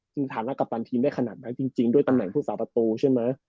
ซึ่งฐานะกัปตันทีมได้ขนาดนั้นจริงด้วยตำแหน่งผู้สาประตูใช่ไหม